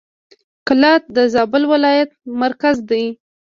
کلات د زابل ولایت مرکز دی.